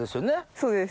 そうです。